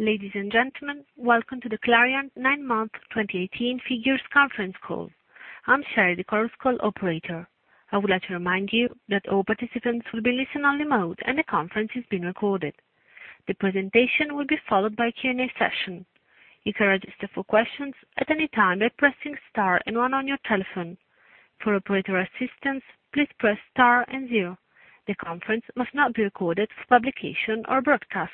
Ladies and gentlemen, welcome to the Clariant nine-month 2018 figures conference call. I'm Sherry, the conference call operator. I would like to remind you that all participants will be in listen-only mode, and the conference is being recorded. The presentation will be followed by a Q&A session. You can register for questions at any time by pressing star and one on your telephone. For operator assistance, please press star and zero. The conference must not be recorded for publication or broadcast.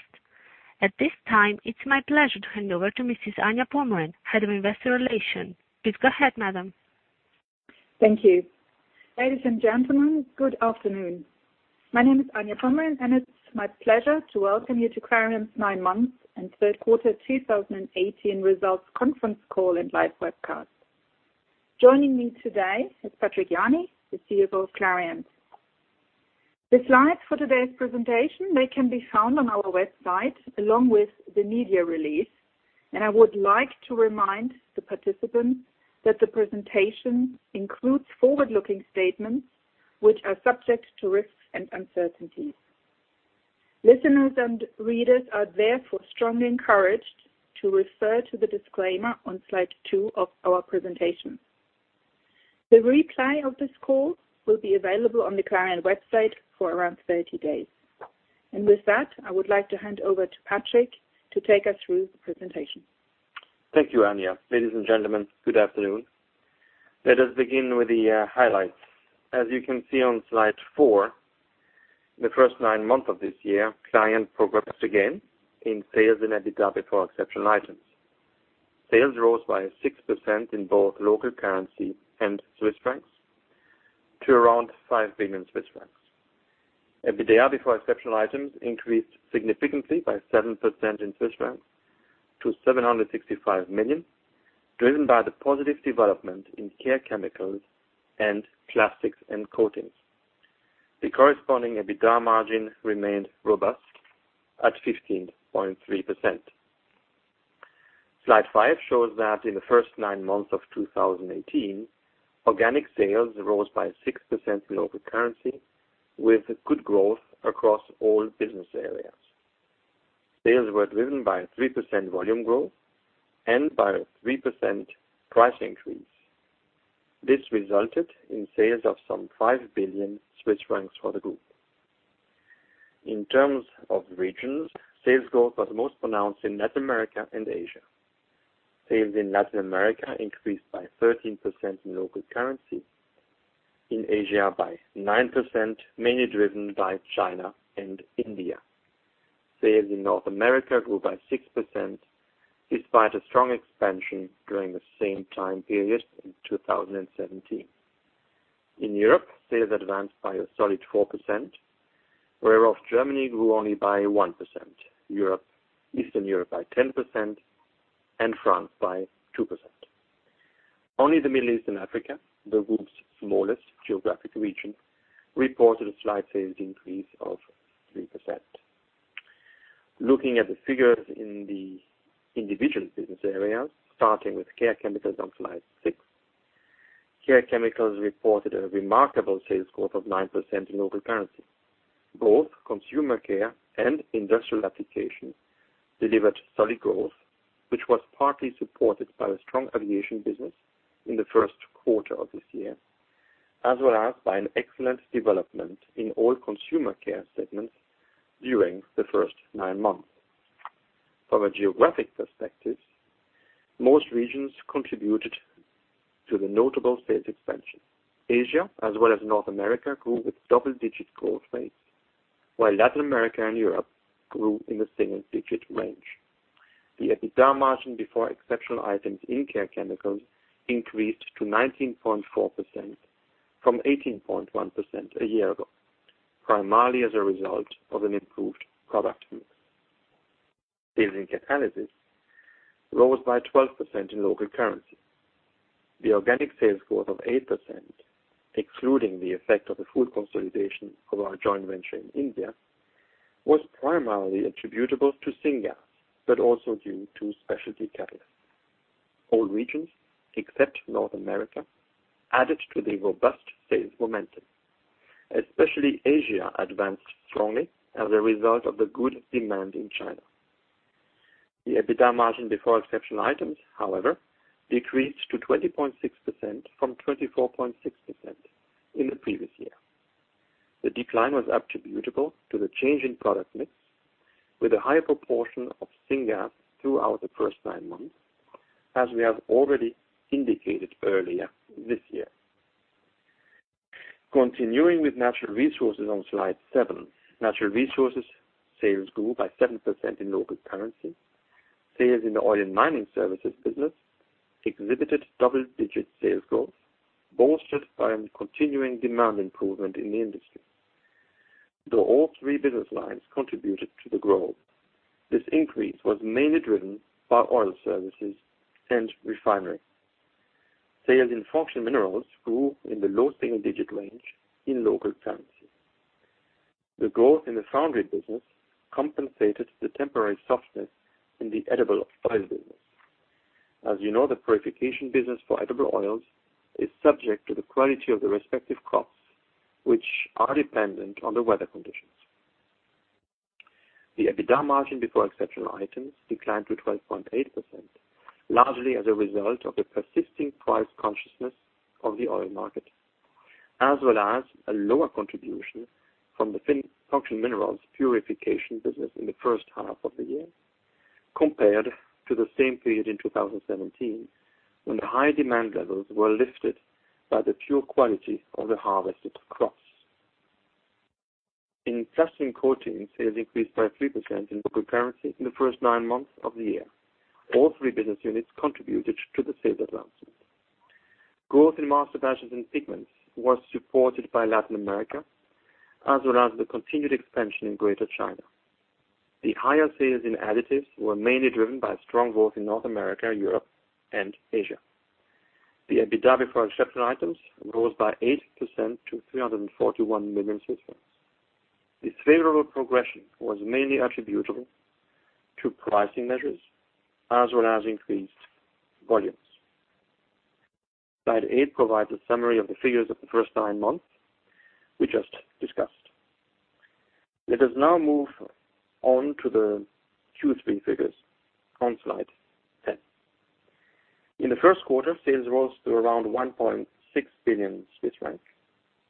At this time, it's my pleasure to hand over to Mrs. Anja Pomrehn, Head of Investor Relations. Please go ahead, madam. Thank you. Ladies and gentlemen, good afternoon. My name is Anja Pomrehn, and it's my pleasure to welcome you to Clariant's nine-months and third-quarter 2018 results conference call and live webcast. Joining me today is Patrick Jany, the CEO of Clariant. The slides for today's presentation can be found on our website along with the media release. I would like to remind the participants that the presentation includes forward-looking statements, which are subject to risks and uncertainties. Listeners and readers are therefore strongly encouraged to refer to the disclaimer on slide two of our presentation. The replay of this call will be available on the Clariant website for around 30 days. With that, I would like to hand over to Patrick to take us through the presentation. Thank you, Anja. Ladies and gentlemen, good afternoon. Let us begin with the highlights. As you can see on slide four, in the first nine months of this year, Clariant progressed again in sales and EBITDA before exceptional items. Sales rose by 6% in both local currency and CHF to around 5 billion Swiss francs. EBITDA before exceptional items increased significantly by 7% in CHF to 765 million Swiss francs, driven by the positive development in Care Chemicals and Plastics & Coatings. The corresponding EBITDA margin remained robust at 15.3%. Slide five shows that in the first nine months of 2018, organic sales rose by 6% in local currency, with good growth across all business areas. Sales were driven by 3% volume growth and by 3% price increase. This resulted in sales of some 5 billion Swiss francs for the group. In terms of regions, sales growth was most pronounced in Latin America and Asia. Sales in Latin America increased by 13% in local currency, in Asia by 9%, mainly driven by China and India. Sales in North America grew by 6%, despite a strong expansion during the same time period in 2017. In Europe, sales advanced by a solid 4%, whereof Germany grew only by 1%, Eastern Europe by 10%, and France by 2%. Only the Middle East and Africa, the group's smallest geographic region, reported a slight sales increase of 3%. Looking at the figures in the individual business areas, starting with Care Chemicals on slide six. Care Chemicals reported a remarkable sales growth of 9% in local currency. Both Consumer Care and Industrial Applications delivered solid growth, which was partly supported by a strong aviation business in the first quarter of this year, as well as by an excellent development in all Consumer Care segments during the first nine months. From a geographic perspective, most regions contributed to the notable sales expansion. Asia as well as North America grew with double-digit growth rates, while Latin America and Europe grew in the single-digit range. The EBITDA margin before exceptional items in Care Chemicals increased to 19.4% from 18.1% a year ago, primarily as a result of an improved product mix. Sales in Catalysis rose by 12% in local currency. The organic sales growth of 8%, excluding the effect of the full consolidation of our joint venture in India, was primarily attributable to syngas, but also due to specialty catalysts. All regions except North America added to the robust sales momentum, especially Asia advanced strongly as a result of the good demand in China. The EBITDA margin before exceptional items, however, decreased to 20.6% from 24.6% in the previous year. The decline was attributable to the change in product mix with a higher proportion of syngas throughout the first nine months, as we have already indicated earlier this year. Continuing with Natural Resources on slide seven. Natural Resources sales grew by 7% in local currency. Sales in the Oil and Mining Services business exhibited double-digit sales growth, bolstered by a continuing demand improvement in the industry. Though all three business lines contributed to the growth, this increase was mainly driven by oil services and refinery. Sales in Functional Minerals grew in the low single-digit range in local currency. The growth in the foundry business compensated the temporary softness in the edible oil business. As you know, the purification business for edible oils is subject to the quality of the respective crops, which are dependent on the weather conditions. The EBITDA margin before exceptional items declined to 12.8%, largely as a result of the persisting price consciousness of the oil market, as well as a lower contribution from the Functional Minerals purification business in the first half of the year compared to the same period in 2017, when high demand levels were lifted by the pure quality of the harvested crops. In Plastics & Coatings, sales increased by 3% in local currency in the first nine months of the year. All three business units contributed to the sales advancement. Growth in Masterbatches & Pigments was supported by Latin America, as well as the continued expansion in Greater China. The higher sales in Additives were mainly driven by strong growth in North America, Europe, and Asia. The EBITDA, before exceptional items, rose by 8% to 341 million. This favorable progression was mainly attributable to pricing measures, as well as increased volumes. Slide eight provides a summary of the figures of the first nine months we just discussed. Let us now move on to the Q3 figures on slide 10. In the first quarter, sales rose to around 1.6 billion Swiss francs,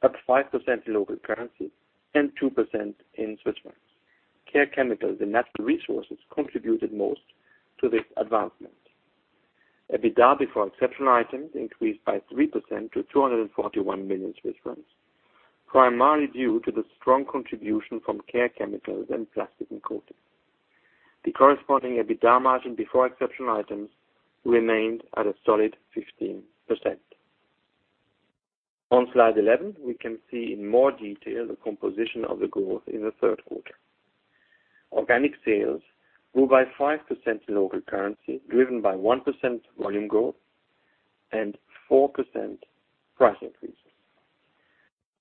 up 5% in local currency and 2% in CHF. Care Chemicals and Natural Resources contributed most to this advancement. EBITDA before exceptional items increased by 3% to 241 million Swiss francs, primarily due to the strong contribution from Care Chemicals and Plastics & Coatings. The corresponding EBITDA margin before exceptional items remained at a solid 15%. On slide 11, we can see in more detail the composition of the growth in the third quarter. Organic sales grew by 5% in local currency, driven by 1% volume growth and 4% price increases.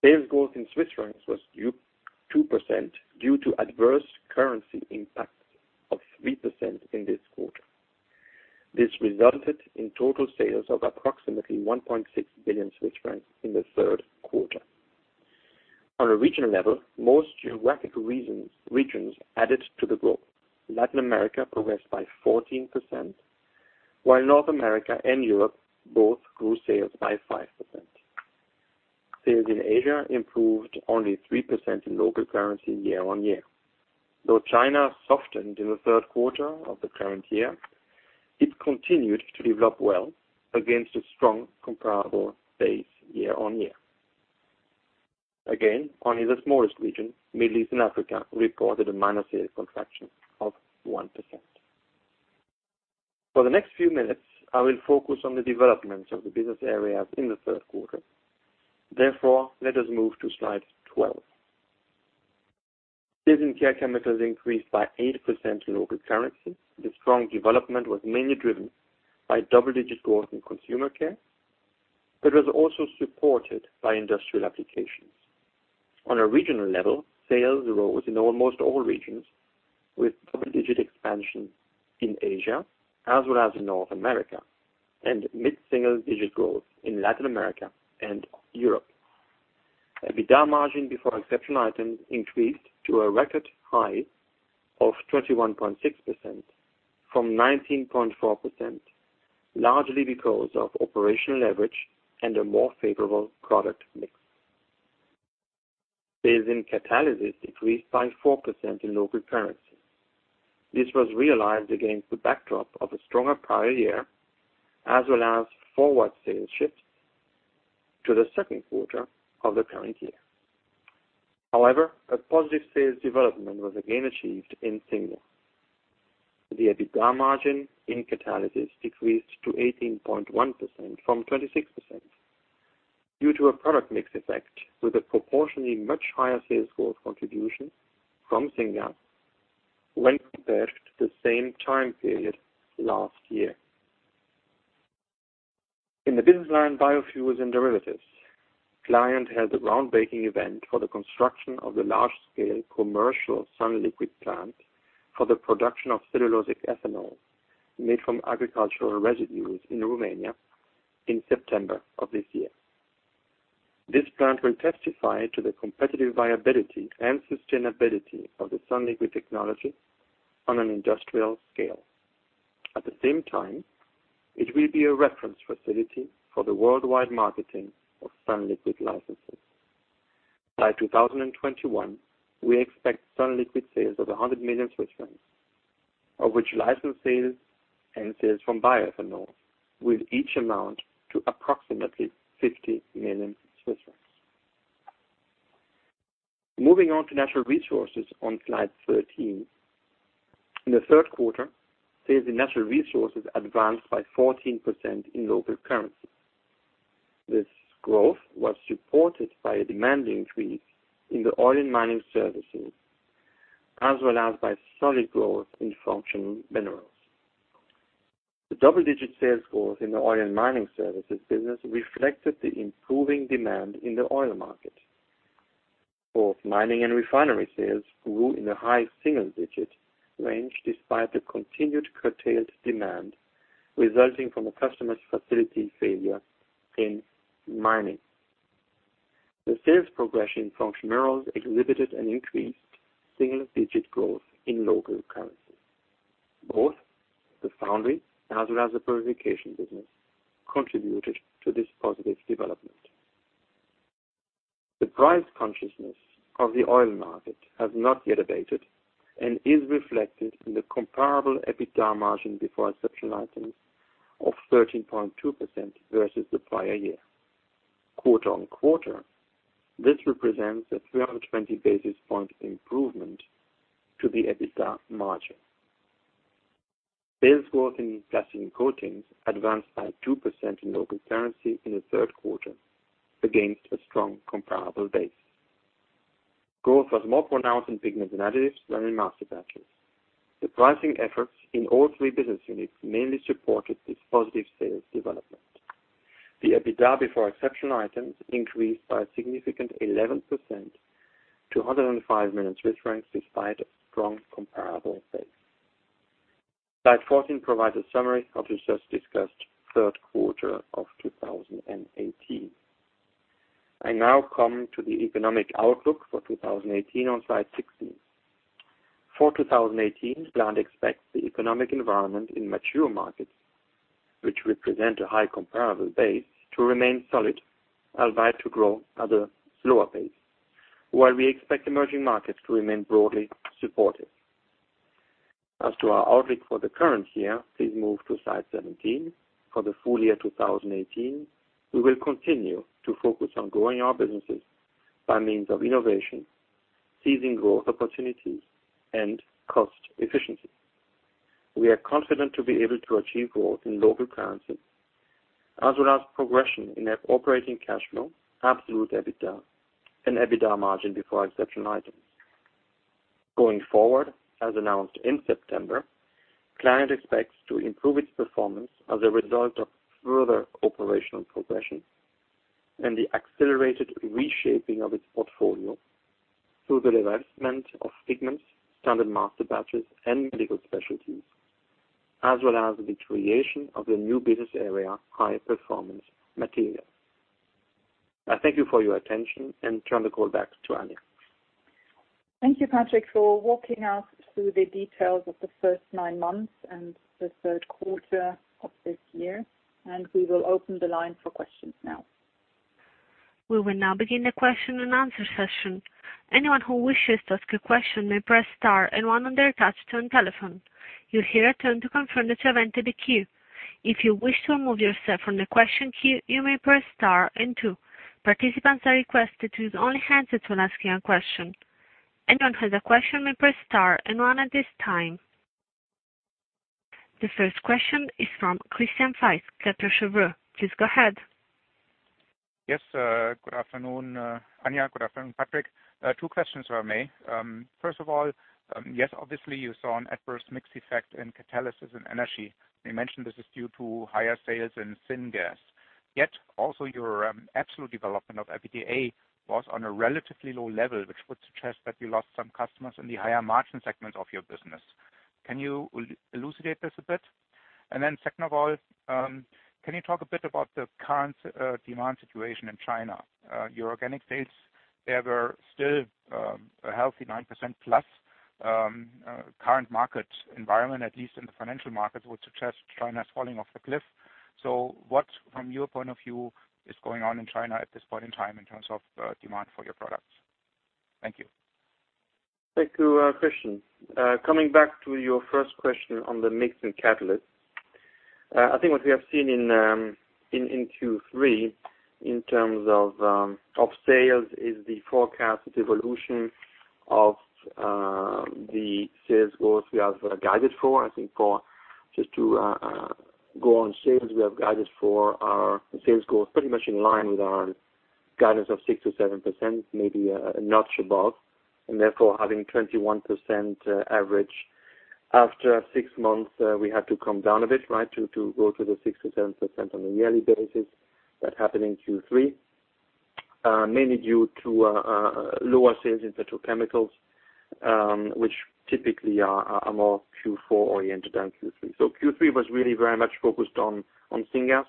Sales growth in Swiss francs was 2% due to adverse currency impacts of 3% in this quarter. This resulted in total sales of approximately 1.6 billion Swiss francs in the third quarter. On a regional level, most geographic regions added to the growth. Latin America progressed by 14%, while North America and Europe both grew sales by 5%. Sales in Asia improved only 3% in local currency year-on-year. Though China softened in the third quarter of the current year, it continued to develop well against a strong comparable base year-on-year. Again, only the smallest region, Middle East and Africa, reported a minor sales contraction of 1%. For the next few minutes, I will focus on the developments of the business areas in the third quarter. Therefore, let us move to slide 12. Sales in Care Chemicals increased by 8% in local currency. The strong development was mainly driven by double-digit growth in Consumer Care, but was also supported by Industrial Applications. On a regional level, sales rose in almost all regions with double-digit expansion in Asia as well as in North America and mid-single digit growth in Latin America and Europe. EBITDA margin before exceptional items increased to a record high of 21.6%, from 19.4%, largely because of operational leverage and a more favorable product mix. Sales in Catalysis decreased by 4% in local currency. This was realized against the backdrop of a stronger prior year, as well as forward sales shift to the second quarter of the current year. A positive sales development was again achieved in Syngas. The EBITDA margin in Catalysis decreased to 18.1% from 26% due to a product mix effect with a proportionally much higher sales growth contribution from Syngas when compared to the same time period last year. In the business line, Biofuels & Derivatives, Clariant had the groundbreaking event for the construction of the large-scale commercial sunliquid plant for the production of cellulosic ethanol made from agricultural residues in Romania in September of this year. This plant will testify to the competitive viability and sustainability of the sunliquid technology on an industrial scale. At the same time, it will be a reference facility for the worldwide marketing of sunliquid licenses. By 2021, we expect sunliquid sales of 100 million Swiss francs, of which license sales and sales from bioethanol will each amount to approximately 50 million Swiss francs. Moving on to Natural Resources on slide 13. In the third quarter, sales in Natural Resources advanced by 14% in local currency. This growth was supported by a demand increase in the Oil and Mining Services, as well as by solid growth in Functional Minerals. The double-digit sales growth in the Oil and Mining Services business reflected the improving demand in the oil market. Both mining and refinery sales grew in the high single-digit range despite the continued curtailed demand resulting from a customer's facility failure in mining. The sales progression from minerals exhibited an increased single-digit growth in local currency. Both the foundry as well as the purification business contributed to this positive development. The price consciousness of the oil market has not yet abated and is reflected in the comparable EBITDA margin before exceptional items of 13.2% versus the prior year. Quarter-on-quarter, this represents a 320 basis point improvement to the EBITDA margin. Sales growth in Plastics & Coatings advanced by 2% in local currency in the third quarter against a strong comparable base. Growth was more pronounced in Pigments and Additives than in Masterbatches. The pricing efforts in all three business units mainly supported this positive sales development. The EBITDA before exceptional items increased by a significant 11% to 105 million Swiss francs, despite a strong comparable base. Slide 14 provides a summary of the just discussed third quarter of 2018. I now come to the economic outlook for 2018 on slide 16. For 2018, Clariant expects the economic environment in mature markets, which represent a high comparable base, to remain solid, albeit to grow at a slower pace, while we expect emerging markets to remain broadly supportive. As to our outlook for the current year, please move to slide 17. For the full year 2018, we will continue to focus on growing our businesses by means of innovation, seizing growth opportunities, and cost efficiency. We are confident to be able to achieve growth in local currencies as well as progression in our operating cash flow, absolute EBITDA, and EBITDA margin before exceptional items. Going forward, as announced in September, Clariant expects to improve its performance as a result of further operational progression and the accelerated reshaping of its portfolio through the divestment of Pigments, standard Masterbatches, and Medical Specialties, as well as the creation of the new business area, High Performance Materials. I thank you for your attention and turn the call back to Anja. Thank you, Patrick, for walking us through the details of the first nine months and the third quarter of this year. We will open the line for questions now. We will now begin the question and answer session. Anyone who wishes to ask a question may press star 1 on their touch-tone telephone. You'll hear a tone to confirm that you have entered the queue. If you wish to remove yourself from the question queue, you may press star 2. Participants are requested to use only hands that when asking a question. Anyone who has a question may press star 1 at this time. The first question is from Christian Faitz, Kepler Cheuvreux. Please go ahead. Yes. Good afternoon, Anja. Good afternoon, Patrick. Two questions for me. First of all, yes, obviously you saw an adverse mix effect in Catalysis and energy. You mentioned this is due to higher sales in Syngas. Yet, also your absolute development of EBITDA was on a relatively low level, which would suggest that you lost some customers in the higher margin segments of your business. Can you elucidate this a bit? Second of all, can you talk a bit about the current demand situation in China? Your organic sales, they were still a healthy 9% plus current market environment, at least in the financial market, would suggest China's falling off a cliff. What, from your point of view, is going on in China at this point in time in terms of demand for your products? Thank you. Thank you, Christian. Coming back to your first question on the mix in Catalysis. What we have seen in Q3 in terms of sales is the forecasted evolution of the sales growth we have guided for. Just to go on sales, we have guided for the sales growth pretty much in line with our guidance of 6%-7%, maybe a notch above, and therefore, having 21% average. After 6 months, we had to come down a bit to go to the 6%-7% on a yearly basis. That happened in Q3, mainly due to lower sales in petrochemicals, which typically are more Q4 oriented than Q3. Q3 was really very much focused on Syngas,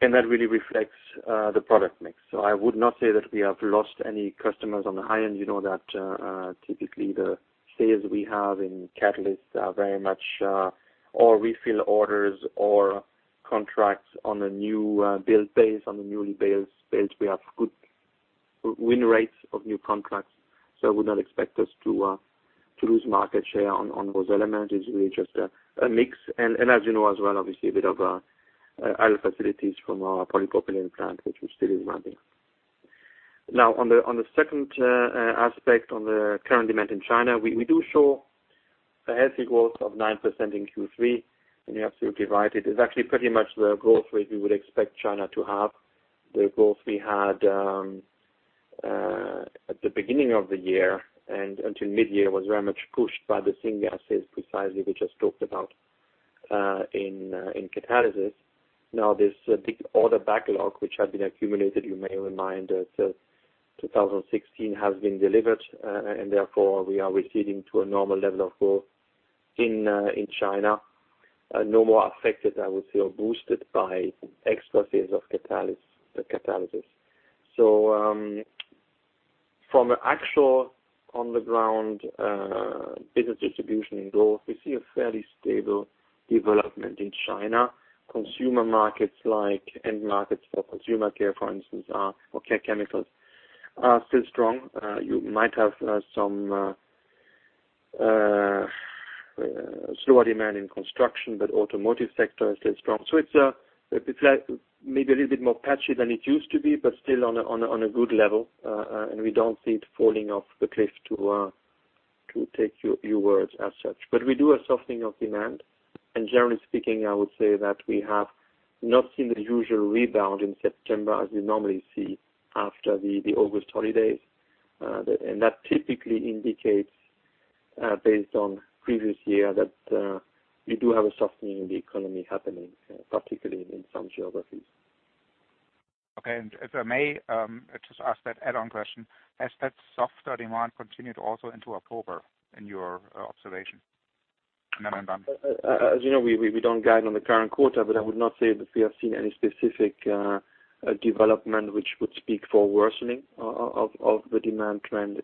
and that really reflects the product mix. I would not say that we have lost any customers on the high end. You know that typically the sales we have in Catalysis are very much or refill orders or contracts on a newly built base. We have good win rates of new contracts, I would not expect us to lose market share on those elements. It's really just a mix. As you know as well, obviously a bit of idle facilities from our polypropylene plant, which still is running. On the second aspect on the current demand in China, we do show a healthy growth of 9% in Q3 when you absolutely divide it. It's actually pretty much the growth rate we would expect China to have. The growth we had at the beginning of the year and until mid-year was very much pushed by the Syngas sales precisely we just talked about. In Catalysis. This big order backlog, which had been accumulated, you may recall, 2016, has been delivered, therefore we are receding to a normal level of growth in China. No more affected, I would say, or boosted by extra phase of the Catalysis. From an actual on-the-ground business distribution growth, we see a fairly stable development in China. Consumer markets like end markets for Consumer Care, for instance, or Care Chemicals, are still strong. You might have some slow demand in construction, automotive sector is still strong. It's maybe a little bit more patchy than it used to be, but still on a good level. We don't see it falling off the cliff, to take your words as such. We do a softening of demand. Generally speaking, I would say that we have not seen the usual rebound in September as you normally see after the August holidays. That typically indicates, based on previous year, that we do have a softening in the economy happening, particularly in some geographies. Okay. If I may, just ask that add-on question. Has that softer demand continued also into October in your observation? Then I'm done. As you know, we don't guide on the current quarter, I would not say that we have seen any specific development which would speak for worsening of the demand trend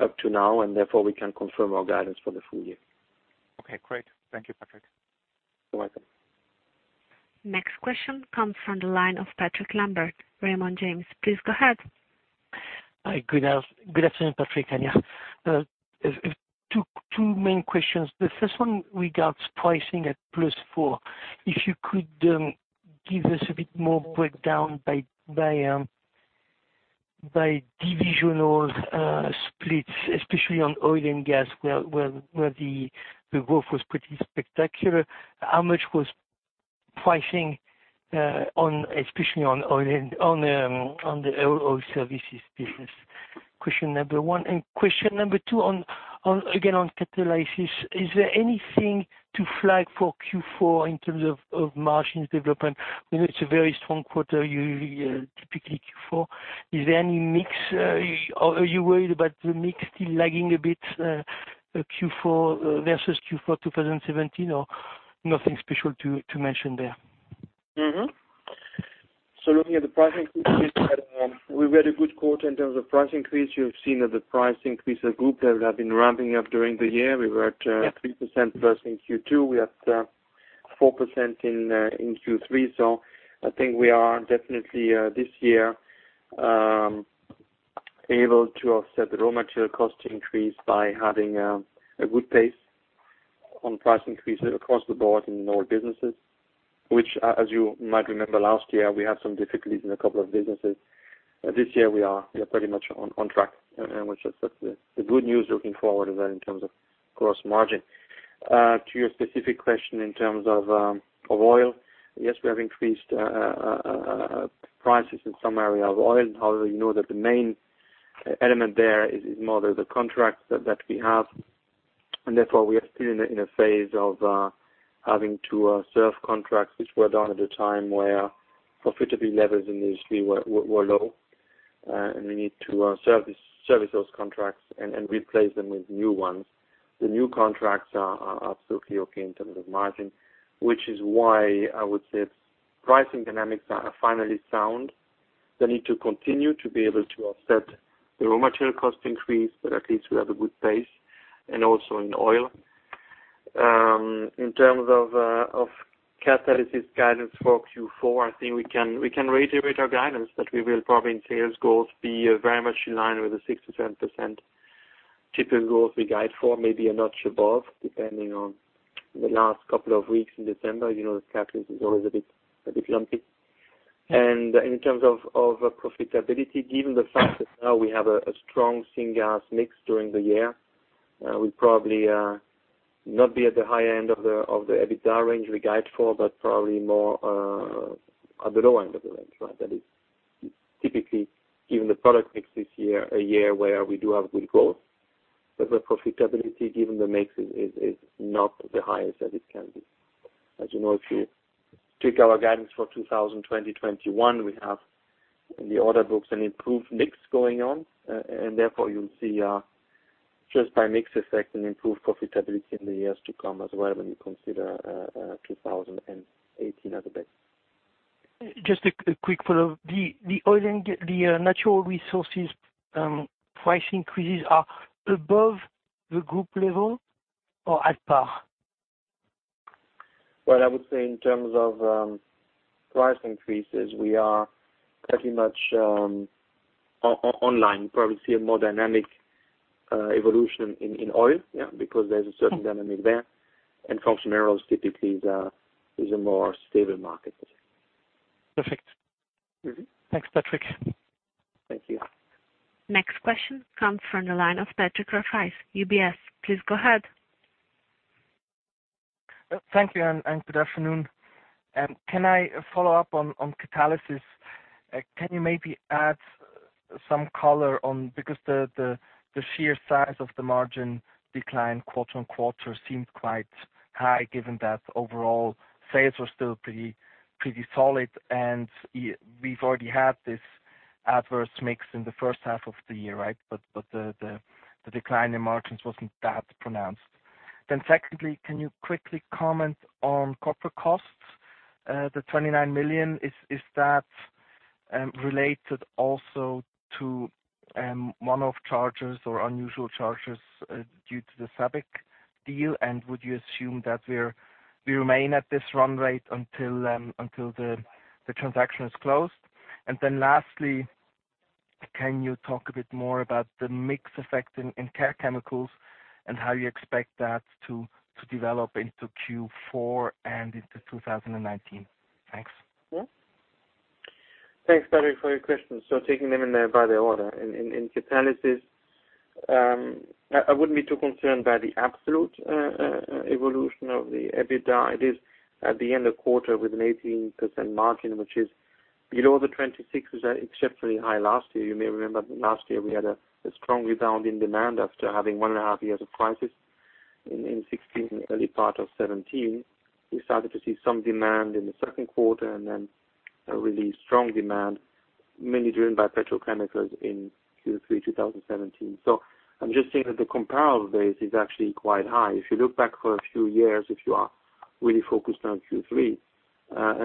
up to now, therefore we can confirm our guidance for the full year. Okay, great. Thank you, Patrick. You're welcome. Next question comes from the line of Patrick Lambert, Raymond James. Please go ahead. Hi, good afternoon, Patrick and Anja. I have two main questions. The first one regards pricing at +4%. If you could give us a bit more breakdown by divisional splits, especially on oil and gas, where the growth was pretty spectacular. How much was pricing especially on the Aero services business? Question number one. Question number two, again, on Catalysis. Is there anything to flag for Q4 in terms of margins development? We know it's a very strong quarter, typically Q4. Is there any mix? Are you worried about the mix still lagging a bit, Q4 versus Q4 2017? Nothing special to mention there? Looking at the price increase, we've had a very good quarter in terms of price increase. You've seen that the price increase of group that have been ramping up during the year. We were at 3%+ in Q2. We had 4% in Q3. I think we are definitely, this year, able to offset the raw material cost increase by having a good pace on price increases across the board in all businesses. As you might remember, last year, we had some difficulties in a couple of businesses. This year we are pretty much on track, and which is the good news looking forward in terms of gross margin. To your specific question in terms of oil, yes, we have increased prices in some area of oil. However, you know that the main element there is more the contracts that we have. Therefore we are still in a phase of having to serve contracts which were done at a time where profitability levels in the industry were low. We need to service those contracts and replace them with new ones. The new contracts are absolutely okay in terms of margin, which is why I would say pricing dynamics are finally sound. They need to continue to be able to offset the raw material cost increase, at least we have a good base and also in Oil. In terms of Catalysis guidance for Q4, I think we can reiterate our guidance, that we will probably in sales goals be very much in line with the 6%-10% typical growth we guide for, maybe a notch above, depending on the last couple of weeks in December. As you know, the catalyst is always a bit lumpy. In terms of profitability, given the fact that now we have a strong Syngas mix during the year, we probably not be at the high end of the EBITDA range we guide for, but probably more at the low end of the range. That is typically, given the product mix this year, a year where we do have good growth. The profitability, given the mix, is not the highest that it can be. As you know, if you took our guidance for 2020, 2021, we have in the order books an improved mix going on. Therefore you'll see just by mix effect an improved profitability in the years to come as well when you consider 2018 as a base. Just a quick follow. The Oil and the Natural Resources price increases are above the group level or at par? Well, I would say in terms of price increases, we are pretty much online. You probably see a more dynamic evolution in oil because there is a certain dynamic there. Functional Minerals typically is a more stable market. Perfect. Thanks, Patrick. Thank you. Next question comes from the line of Patrick Rafaisz, UBS. Please go ahead. Thank you, and good afternoon. Can I follow up on Catalysis? Can you maybe add Some color on because the sheer size of the margin decline quarter-on-quarter seemed quite high given that overall sales were still pretty solid, and we've already had this adverse mix in the first half of the year, right? The decline in margins wasn't that pronounced. Secondly, can you quickly comment on corporate costs? The 29 million, is that related also to one-off charges or unusual charges due to the SABIC deal? Would you assume that we remain at this run rate until the transaction is closed? Lastly, can you talk a bit more about the mix effect in Care Chemicals and how you expect that to develop into Q4 and into 2019? Thanks. Thanks, Patrick, for your questions. Taking them by their order. In Catalysis, I wouldn't be too concerned by the absolute evolution of the EBITDA. It is at the end of quarter with an 18% margin, which is below the 26%, was exceptionally high last year. You may remember last year we had a strong rebound in demand after having one and a half years of crisis in 2016 and early part of 2017. We started to see some demand in the second quarter and then a really strong demand, mainly driven by petrochemicals in Q3 2017. I'm just saying that the comparable base is actually quite high. If you look back for a few years, if you are really focused on Q3,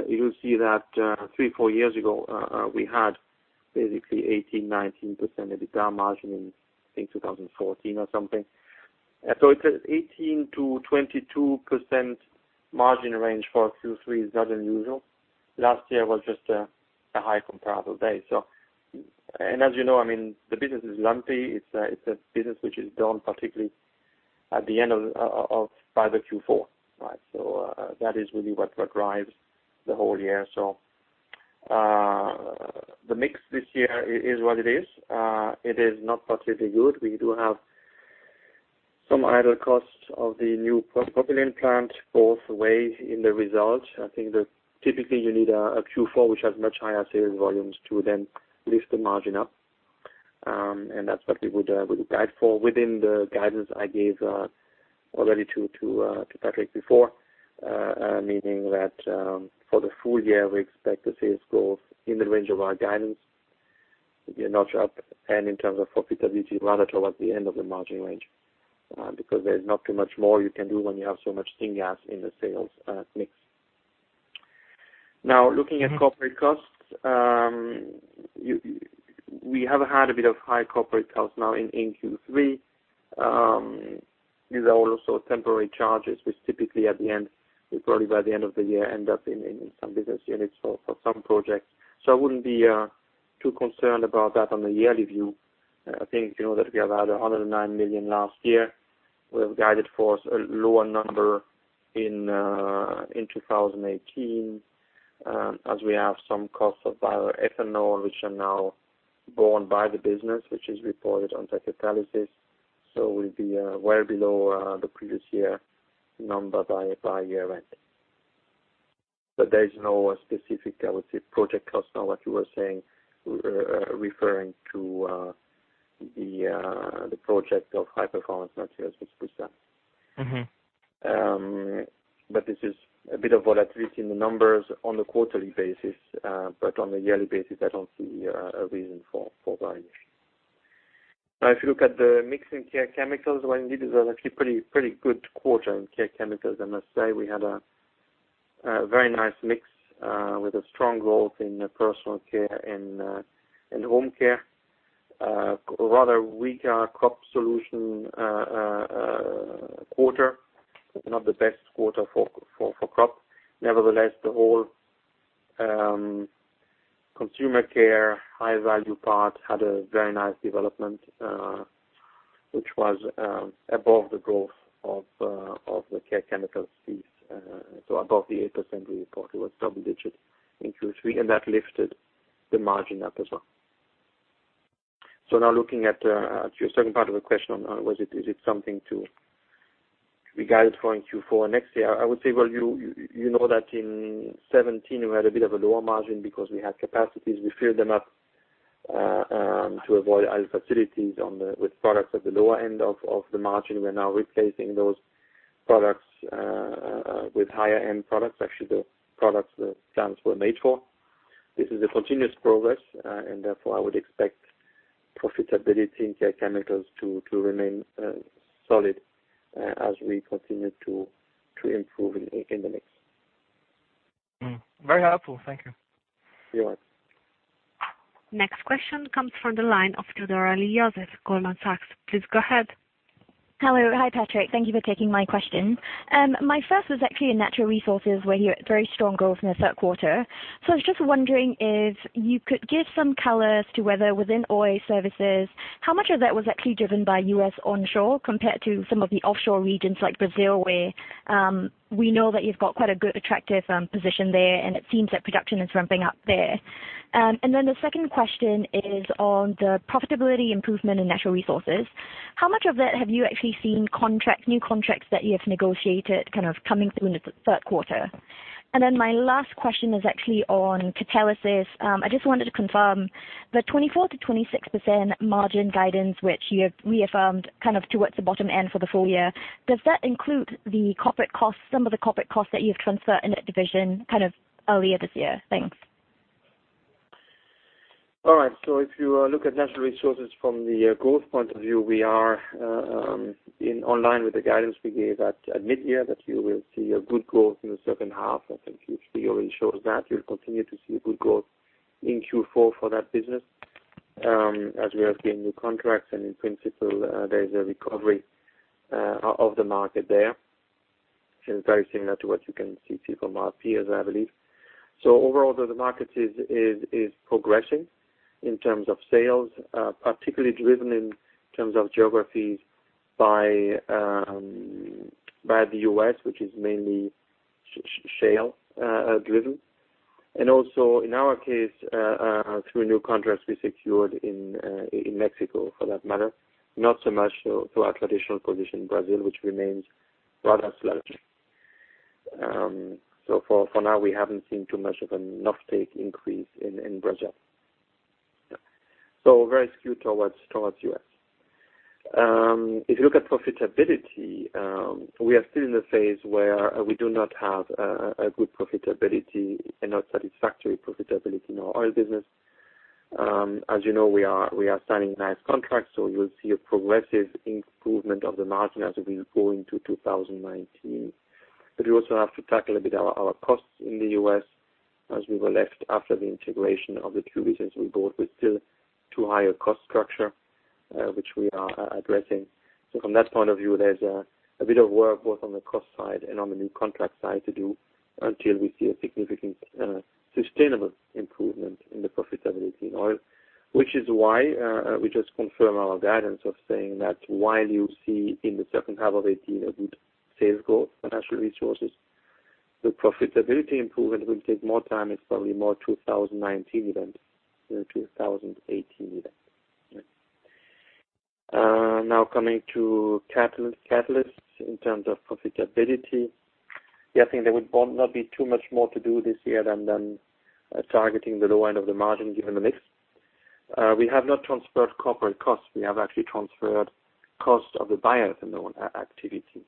you will see that three, four years ago, we had basically 18%-19% EBITDA margin in, I think, 2014 or something. It's 18%-22% margin range for Q3 is not unusual. Last year was just a high comparable base. As you know, the business is lumpy. It's a business which is done particularly by the Q4, right? That is really what drives the whole year. The mix this year is what it is. It is not particularly good. We do have some idle costs of the new propylene plant both ways in the results. I think that typically you need a Q4, which has much higher sales volumes to then lift the margin up. That's what we would guide for within the guidance I gave already to Patrick before, meaning that for the full year, we expect the sales growth in the range of our guidance to be a notch up and in terms of profitability, rather towards the end of the margin range. There's not too much more you can do when you have so much Syngas in the sales mix. Looking at corporate costs, we have had a bit of high corporate costs now in Q3. These are all also temporary charges, which typically at the end, will probably by the end of the year, end up in some business units for some projects. I wouldn't be too concerned about that on a yearly view. I think you know that we have had 109 million last year. We have guided for a lower number in 2018, as we have some costs of bioethanol, which are now borne by the business, which is reported on the Catalysis. We'll be well below the previous year number by year end. There is no specific, I would say, project cost now what you were saying, referring to the project of High Performance Materials with SABIC. This is a bit of volatility in the numbers on a quarterly basis. On a yearly basis, I don't see a reason for variation. If you look at the mix in Care Chemicals, well, indeed, it was actually pretty good quarter in Care Chemicals, I must say. We had a very nice mix, with a strong growth in Personal Care and Home Care. A rather weaker Crop Solutions quarter. It's not the best quarter for crop. Nevertheless, the whole Consumer Care, high-value part had a very nice development, which was above the growth of the Care Chemicals business. Above the 8% we reported with double digits in Q3, and that lifted the margin up as well. Now looking at your second part of the question on is it something to be guided for in Q4 next year? I would say, well, you know that in 2017, we had a bit of a lower margin because we had capacities. We filled them up to avoid idle facilities with products at the lower end of the margin. We're now replacing those products with higher-end products. Actually, the products the plants were made for. This is a continuous progress, and therefore, I would expect profitability in Care Chemicals to remain solid as we continue to improve in the mix. Very helpful. Thank you. You're welcome. Next question comes from the line of, Goldman Sachs. Please go ahead. Hello. Hi, Patrick. Thank you for taking my question. My first was actually in Natural Resources where you had very strong growth in the third quarter. I was just wondering if you could give some color as to whether within oil services, how much of that was actually driven by U.S. onshore compared to some of the offshore regions like Brazil, where we know that you've got quite a good attractive position there, and it seems that production is ramping up there. The second question is on the profitability improvement in Natural Resources. How much of that have you actually seen new contracts that you have negotiated kind of coming through in the third quarter? My last question is actually on Catalysis. I just wanted to confirm the 24%-26% margin guidance, which you have reaffirmed towards the bottom end for the full year. Does that include some of the corporate costs that you have transferred in that division earlier this year? Thanks. All right. If you look at Natural Resources from the growth point of view, we are online with the guidance we gave at mid-year that you will see a good growth in the second half. I think Q3 already shows that. You'll continue to see a good growth in Q4 for that business as we have gained new contracts and in principle, there is a recovery of the market there, which is very similar to what you can see from our peers, I believe. Overall, the market is progressing in terms of sales, particularly driven in terms of geographies by the U.S., which is mainly shale-driven. Also, in our case, through new contracts we secured in Mexico for that matter, not so much through our traditional position in Brazil, which remains rather sluggish. For now, we haven't seen too much of an uptake increase in Brazil. Very skewed towards U.S. If you look at profitability, we are still in the phase where we do not have a good profitability and not satisfactory profitability in our oil business. As you know, we are signing nice contracts, you will see a progressive improvement of the margin as we go into 2019. We also have to tackle a bit our costs in the U.S. as we were left after the integration of the two business we bought with still too high a cost structure, which we are addressing. From that point of view, there's a bit of work both on the cost side and on the new contract side to do until we see a significant sustainable improvement in the profitability in oil, which is why we just confirm our guidance of saying that while you see in the second half of 2018 a good sales growth for Natural Resources, the profitability improvement will take more time. It's probably more 2019 than 2018. Coming to Catalysis in terms of profitability. I think there would not be too much more to do this year than targeting the low end of the margin given the mix. We have not transferred corporate costs. We have actually transferred costs of the buyers in the activity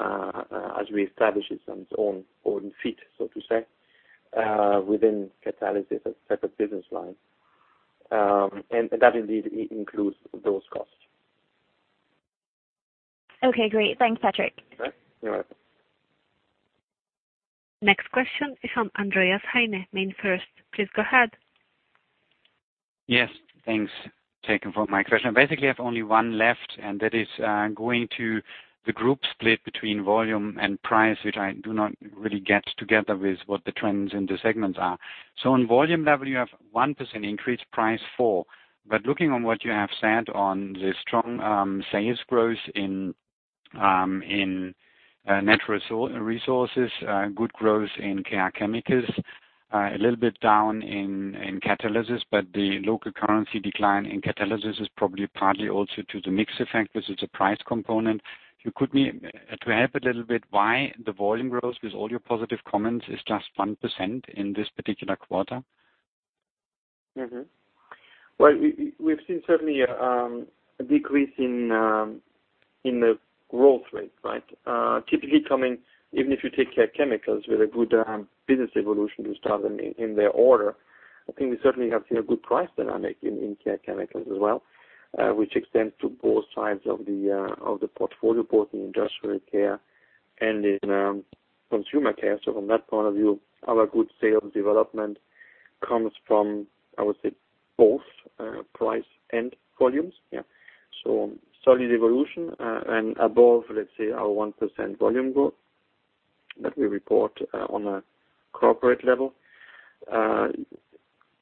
as we establish it on its own feet, so to say, within Catalysis, a separate business line. That indeed includes those costs. Okay, great. Thanks, Patrick. Okay. You're welcome. Next question is from Andreas Heine, MainFirst. Please go ahead. Yes, thanks. Thank you for my question. Basically, I have only one left, that is going to the group split between volume and price, which I do not really get together with what the trends in the segments are. On volume level, you have 1% increase, price four. Looking on what you have said on the strong sales growth in Natural Resources, good growth in Care Chemicals, a little bit down in Catalysis, but the local currency decline in Catalysis is probably partly also to the mix effect versus the price component. You could help a little bit why the volume growth with all your positive comments is just 1% in this particular quarter? We've seen certainly a decrease in the growth rate, right? Typically coming, even if you take Care Chemicals with a good business evolution to start them in their order, I think we certainly have seen a good price dynamic in Care Chemicals as well, which extends to both sides of the portfolio, both in industrial care and in Consumer Care. From that point of view, our good sales development comes from, I would say, both price and volumes. Solid evolution, and above, let's say, our 1% volume growth that we report on a corporate level.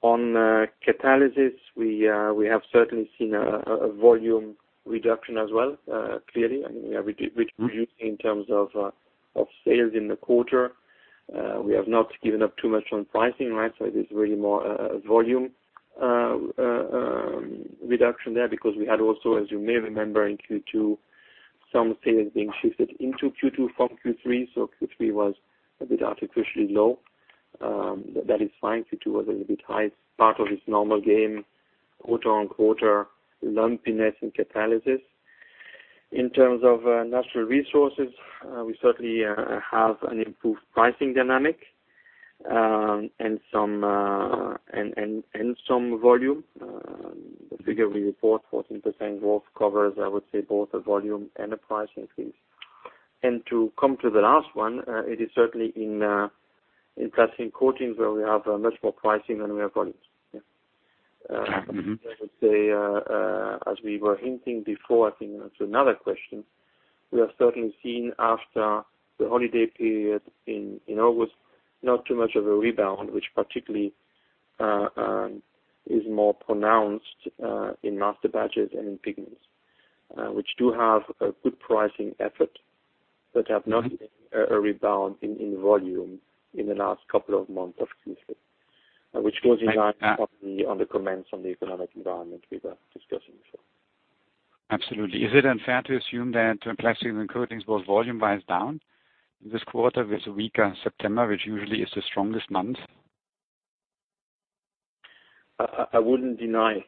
On Catalysis, we have certainly seen a volume reduction as well, clearly. I mean, we reduced in terms of sales in the quarter. We have not given up too much on pricing, it is really more a volume reduction there because we had also, as you may remember, in Q2, some sales being shifted into Q2 from Q3 was a bit artificially low. That is fine. Q2 was a little bit high. It's part of this normal game, quarter-on-quarter lumpiness in Catalysis. In terms of Natural Resources, we certainly have an improved pricing dynamic and some volume. The figure we report, 14% growth covers, I would say, both the volume and the price increase. To come to the last one, it is certainly in Plastics & Coatings where we have much more pricing than we have volumes. I would say, as we were hinting before, I think to another question, we are certainly seeing after the holiday period in August, not too much of a rebound, which particularly is more pronounced in Masterbatches and in Pigments, which do have a good pricing effort but have not seen a rebound in volume in the last couple of months of Q3. Which goes in line on the comments on the economic environment we were discussing. Absolutely. Is it unfair to assume that Plastics & Coatings was volume-wise down this quarter with a weaker September, which usually is the strongest month? I wouldn't deny.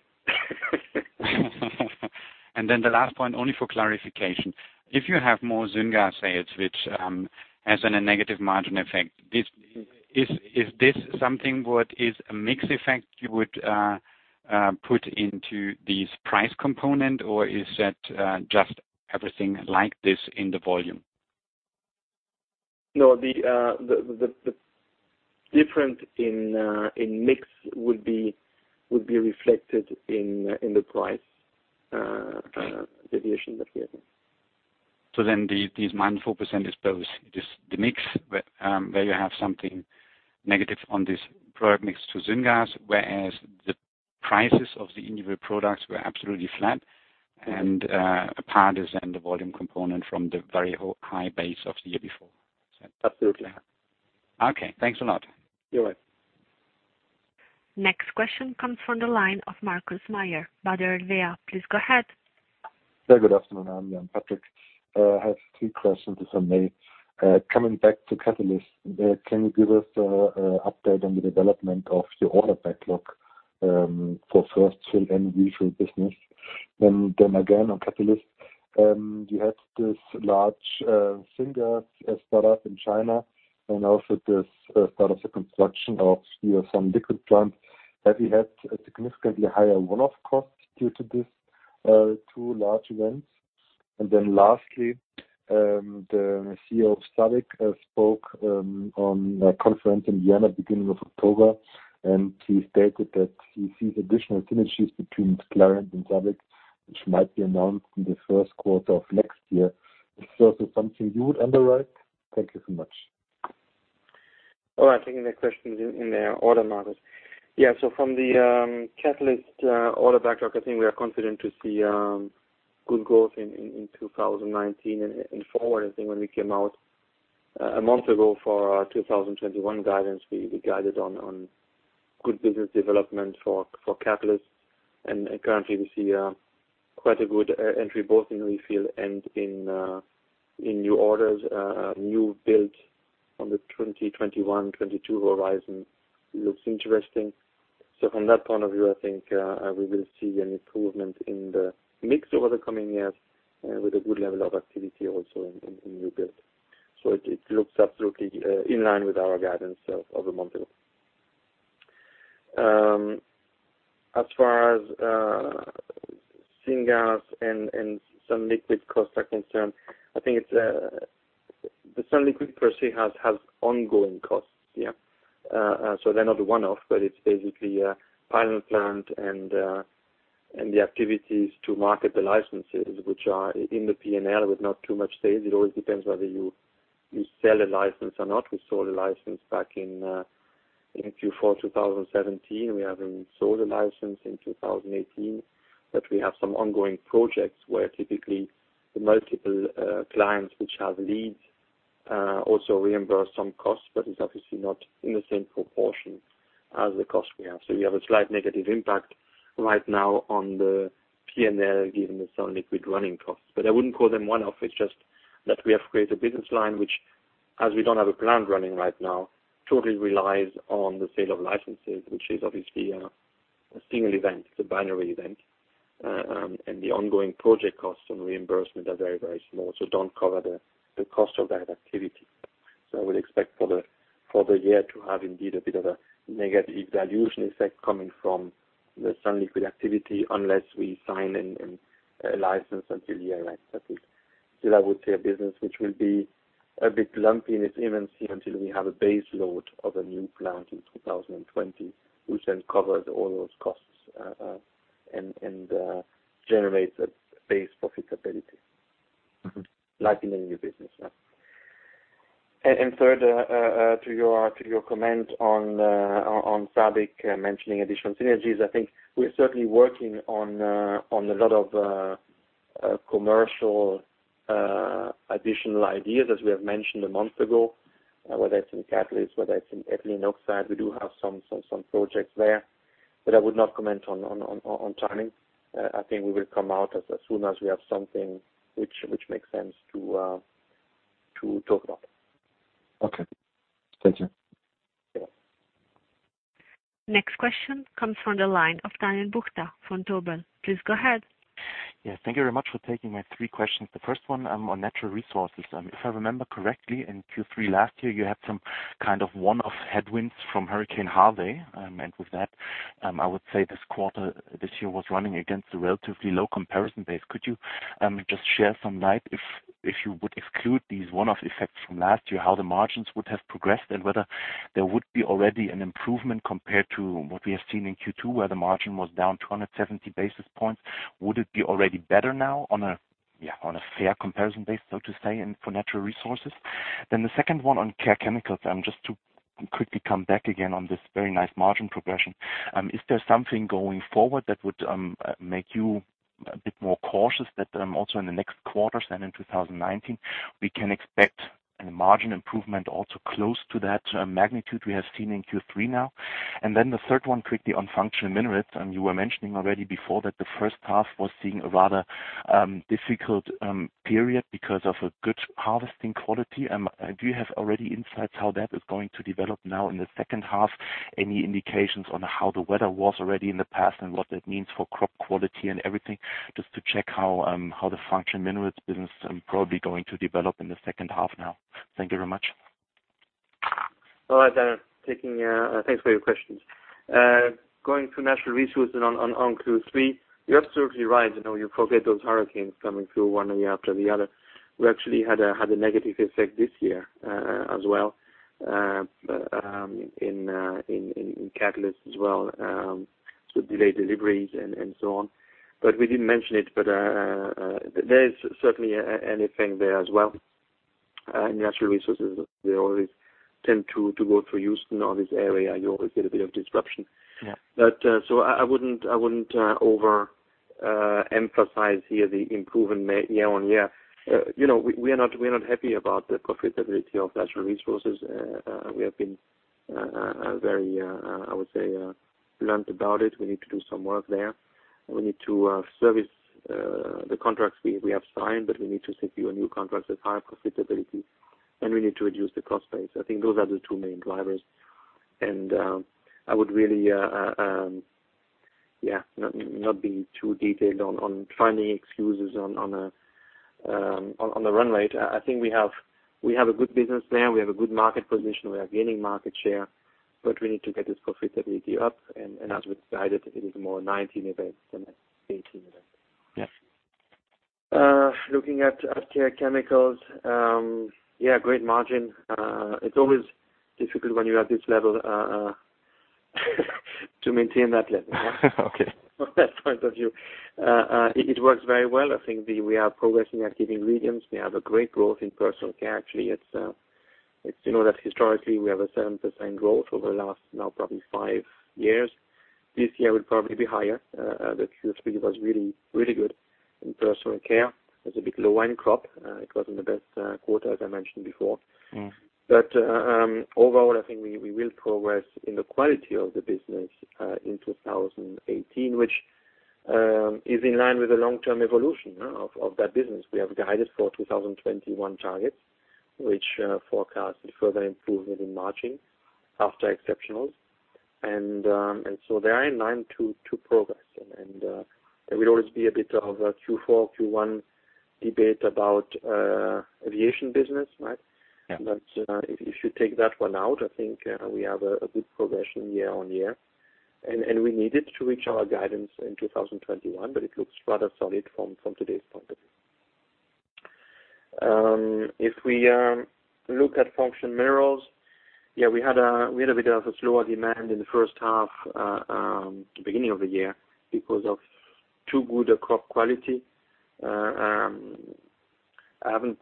The last point, only for clarification. If you have more syngas sales, which has a negative margin effect, is this something what is a mix effect you would put into this price component, or is that just everything like this in the volume? No, the difference in mix would be reflected in the price deviation that we have. These minus 4% is both just the mix, where you have something negative on this product mix to syngas, whereas the prices of the individual products were absolutely flat, and a part is then the volume component from the very high base of the year before. Absolutely. Okay, thanks a lot. You're welcome. Next question comes from the line of Markus Mayer, Baader Helvea. Please go ahead. Good afternoon. Anya and Patrick. I have three questions, if I may. Coming back to Catalysis, can you give us an update on the development of your order backlog for first fill and refill business? Again, on Catalysis, you had this large Syngas startup in China and also the start of the construction of sunliquid plants. Have you had a significantly higher one-off cost due to these two large events? Lastly, the CEO of SABIC spoke on a conference in Vienna beginning of October. He stated that he sees additional synergies between Clariant and SABIC, which might be announced in the first quarter of next year. Is this also something you would underline? Thank you so much. All right. Taking the questions in order, Markus. Yeah. From the catalyst order backlog, I think we are confident to see good growth in 2019 and forward. I think when we came out a month ago for our 2021 guidance, we guided on good business development for catalysts. Currently, we see quite a good entry both in refill and in new orders. New build on the 2021, 2022 horizon looks interesting. From that point of view, I think we will see an improvement in the mix over the coming years with a good level of activity also in new build. It looks absolutely in line with our guidance of a month ago. As far as Syngas and sunliquid costs are concerned, I think the sunliquid per se has ongoing costs. They're not a one-off, but it's basically a pilot plant and the activities to market the licenses, which are in the P&L with not too much sales. It always depends whether you sell a license or not. We sold a license back in Q4 2017. We haven't sold a license in 2018. We have some ongoing projects where typically the multiple clients, which have leads, also reimburse some costs, but it's obviously not in the same proportion as the cost we have. We have a slight negative impact right now on the P&L, given the sunliquid running costs. I wouldn't call them one-off. It's just that we have created a business line, which, as we don't have a plant running right now, totally relies on the sale of licenses, which is obviously a single event. It's a binary event. The ongoing project costs and reimbursement are very, very small, don't cover the cost of that activity. I would expect for the year to have indeed a bit of a negative dilution effect coming from the sunliquid activity unless we sign a license until year-end. It still, I would say, a business which will be a bit lumpy in its earnings until we have a base load of a new plant in 2020, which then covers all those costs and generates a base profitability. Like in any new business. Third, to your comment on SABIC mentioning additional synergies, I think we're certainly working on a lot of commercial additional ideas, as we have mentioned a month ago, whether it's in catalysts, whether it's in ethylene oxide. We do have some projects there. I would not comment on timing. I think we will come out as soon as we have something which makes sense to talk about. Okay. Thank you. Yeah. Next question comes from the line of Daniel Buchta from Vontobel. Please go ahead. Yeah. Thank you very much for taking my three questions. The first one on Natural Resources. If I remember correctly, in Q3 last year, you had some one-off headwinds from Hurricane Harvey. With that, I would say this quarter this year was running against a relatively low comparison base. Could you just share some light, if you would exclude these one-off effects from last year, how the margins would have progressed, and whether there would be already an improvement compared to what we have seen in Q2, where the margin was down 270 basis points? Would it be already better now on a fair comparison base, so to say, and for Natural Resources? The second one on Care Chemicals. Quickly come back again on this very nice margin progression. Is there something going forward that would make you a bit more cautious that also in the next quarters and in 2019, we can expect a margin improvement also close to that magnitude we have seen in Q3 now? The third one quickly on Functional Minerals, and you were mentioning already before that the first half was seeing a rather difficult period because of a good harvesting quality. Do you have already insights how that is going to develop now in the second half? Any indications on how the weather was already in the past and what that means for crop quality and everything, just to check how the Functional Minerals business is probably going to develop in the second half now. Thank you very much. All right, thanks for your questions. Going to Natural Resources on Q3, you are certainly right. You forget those hurricanes coming through one year after the other. We actually had a negative effect this year, as well, in Catalysts as well, with delayed deliveries and so on. We didn't mention it, there is certainly anything there as well. In Natural Resources, they always tend to go through Houston or this area, you always get a bit of disruption. Yeah. I wouldn't overemphasize here the improvement year-over-year. We are not happy about the profitability of Natural Resources. We have been very, I would say, blunt about it. We need to do some work there. We need to service the contracts we have signed, we need to secure new contracts with higher profitability, and we need to reduce the cost base. I think those are the two main drivers. I would really, yeah, not be too detailed on finding excuses on the run rate. I think we have a good business plan. We have a good market position. We are gaining market share, we need to get this profitability up, and as we decided, it is more 2019 event than 2018 event. Yeah. Looking at Care Chemicals. Yeah, great margin. It's always difficult when you are at this level to maintain that level. Okay. From that point of view. It works very well. I think we are progressing at giving regions. We have a great growth in Personal Care. Actually, historically we have a 7% growth over the last, now probably five years. This year will probably be higher. The Q3 was really good in Personal Care. It's a bit low on crop. It wasn't the best quarter, as I mentioned before. Overall, I think we will progress in the quality of the business, in 2018, which is in line with the long-term evolution of that business. We have guided for 2021 targets, which forecast further improvement in margin after exceptionals. They are in line to progress. There will always be a bit of a Q4-Q1 debate about Aviation business, right? Yeah. If you take that one out, I think we have a good progression year on year. We need it to reach our guidance in 2021, but it looks rather solid from today's point of view. If we look at Functional Minerals. We had a bit of a slower demand in the first half, beginning of the year because of too good a crop quality. I haven't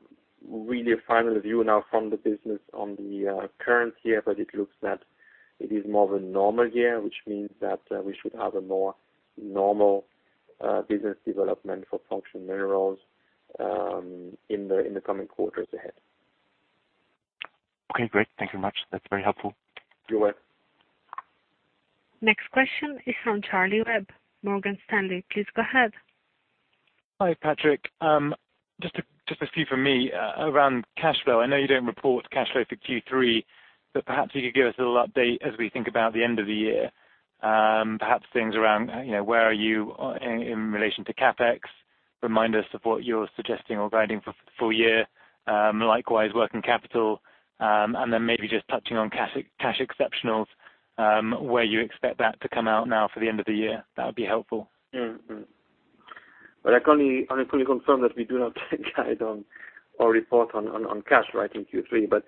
really a final view now from the business on the current year, but it looks that it is more of a normal year, which means that we should have a more normal business development for Functional Minerals in the coming quarters ahead. Okay, great. Thank you much. That's very helpful. You're welcome. Next question is from Charlie Webb, Morgan Stanley. Please go ahead. Hi, Patrick. Just a few from me around cash flow. I know you don't report cash flow for Q3, but perhaps you could give us a little update as we think about the end of the year. Perhaps things around, where are you in relation to CapEx? Remind us of what you're suggesting or guiding for full year. Likewise, working capital, and then maybe just touching on cash exceptionals, where you expect that to come out now for the end of the year. That would be helpful. I can only confirm that we do not guide on or report on cash in Q3.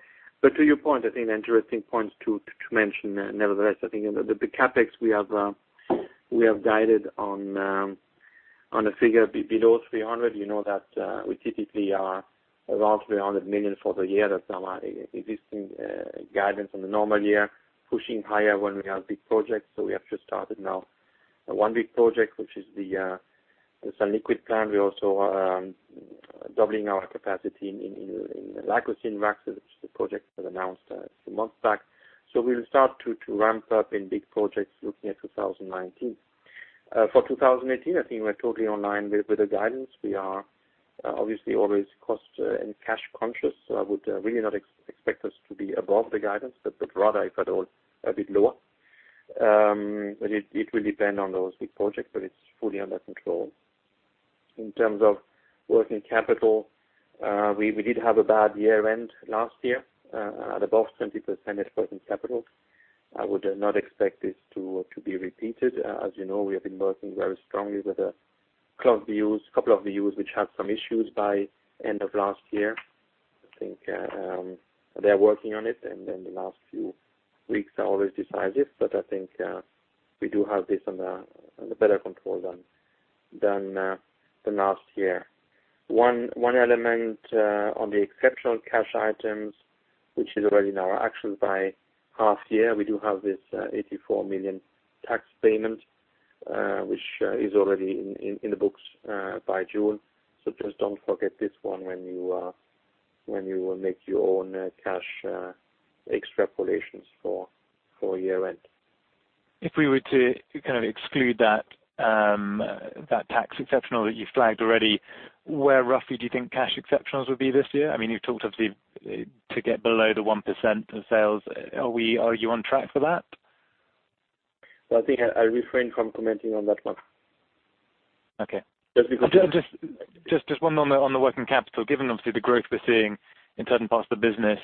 To your point, I think an interesting point to mention, nevertheless, I think the CapEx we have guided on the figure below 300 million. You know that we typically are around 300 million for the year. That's our existing guidance on a normal year, pushing higher when we have big projects. We have just started now one big project, which is the sunliquid plant. We're also doubling our capacity in Licocene wax, which is the project that announced a month back. We'll start to ramp up in big projects looking at 2019. For 2018, I think we're totally in line with the guidance. We are obviously always cost and cash conscious. I would really not expect us to be above the guidance, but rather, if at all, a bit lower. It will depend on those big projects, but it's fully under control. In terms of working capital, we did have a bad year-end last year, at above 20% in working capital. I would not expect this to be repeated. As you know, we have been working very strongly with a couple of views which had some issues by end of last year. I think they're working on it, the last few weeks are always decisive, but I think we do have this under better control than last year. One element on the exceptional cash items, which is already in our actions by half year, we do have this 84 million tax payment, which is already in the books by June. Just don't forget this one when you will make your own cash extrapolations for year-end. If we were to exclude that tax exceptional that you flagged already, where roughly do you think cash exceptionals will be this year? You've talked of to get below the 1% of sales. Are you on track for that? I think I refrain from commenting on that one. Okay. Just because. Just one moment on the working capital, given obviously the growth we're seeing in certain parts of the business,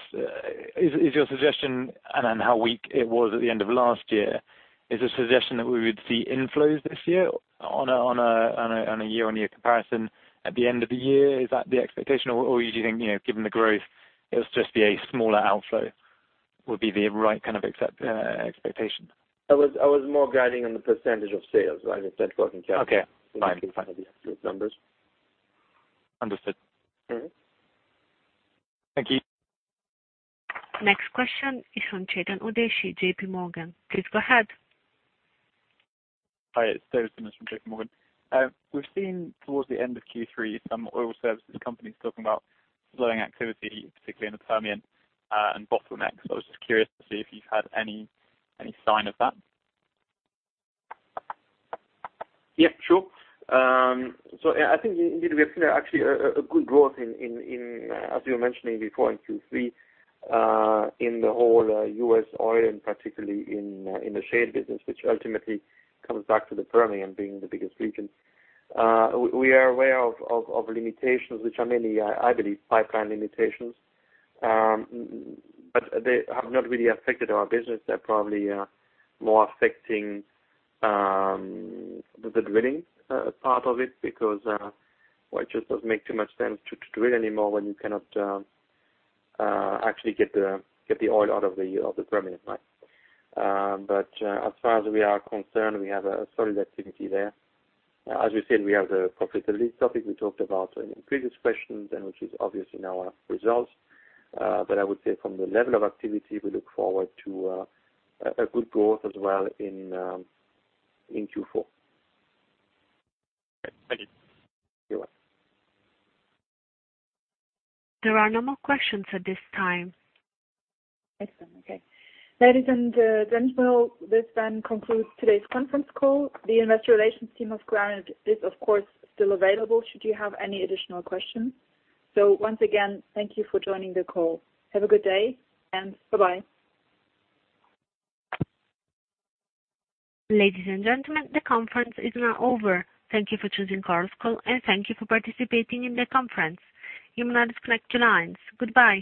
and how weak it was at the end of last year. Is the suggestion that we would see inflows this year on a year-on-year comparison at the end of the year? Is that the expectation, or do you think, given the growth, it'll just be a smaller outflow would be the right kind of expectation? I was more guiding on the percentage of sales, right? The net working capital. Okay. Fine. In terms of the absolute numbers. Understood. Thank you. Next question is from Chetan Udeshi, JPMorgan. Please go ahead. Hi, it's David Symonds from JPMorgan. We've seen towards the end of Q3 some oil services companies talking about slowing activity, particularly in the Permian and bottleneck. I was just curious to see if you've had any sign of that. Yeah, sure. I think indeed we have seen actually a good growth in, as you were mentioning before, in Q3, in the whole U.S. oil and particularly in the shale business, which ultimately comes back to the Permian being the biggest region. We are aware of limitations, which are mainly, I believe, pipeline limitations. They have not really affected our business. They're probably more affecting the drilling part of it, because, well, it just doesn't make too much sense to drill anymore when you cannot actually get the oil out of the Permian Basin. As far as we are concerned, we have a solid activity there. As we said, we have the profitability topic we talked about in previous questions and which is obvious in our results. I would say from the level of activity, we look forward to a good growth as well in Q4. Okay. Thank you. You're welcome. There are no more questions at this time. Excellent. Okay. Ladies and gentlemen, this then concludes today's conference call. The investor relations team of Clariant is, of course, still available should you have any additional questions. Once again, thank you for joining the call. Have a good day, and bye-bye. Ladies and gentlemen, the conference is now over. Thank you for choosing Chorus Call, and thank you for participating in the conference. You may now disconnect your lines. Goodbye.